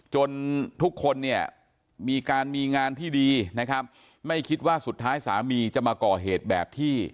ทุกคนเนี่ยมีการมีงานที่ดีนะครับไม่คิดว่าสุดท้ายสามีจะมาก่อเหตุแบบที่